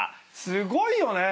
すごいよね。